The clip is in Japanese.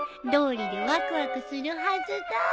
どうりでわくわくするはずだ。